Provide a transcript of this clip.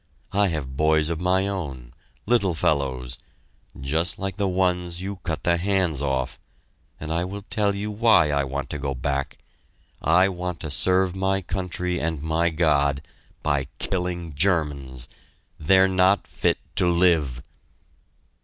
I have boys of my own little fellows just like the ones you cut the hands off and I will tell you why I want to get back I want to serve my country and my God by killing Germans they're not fit to live!"